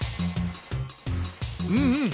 うんうん。